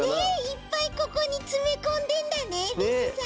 いっぱいここにつめこんでんだねリスさん。